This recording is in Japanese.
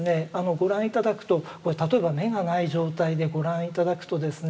ご覧頂くと例えば眼がない状態でご覧頂くとですね